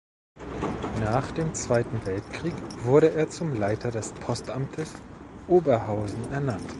Nach dem Zweiten Weltkrieg wurde er zum Leiter des Postamtes Oberhausen ernannt.